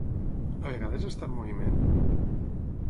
A vegades està en moviment?